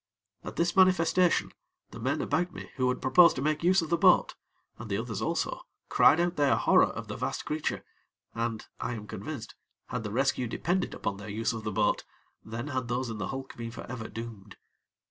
At this manifestation, the men about me who had proposed to make use of the boat, and the others also, cried out their horror of the vast creature, and, I am convinced, had the rescue depended upon their use of the boat, then had those in the hulk been forever doomed.